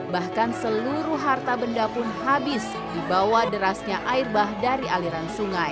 bahkan seluruh harta benda pun habis di bawah derasnya air bah dari aliran sungai